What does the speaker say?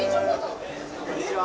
・こんにちは。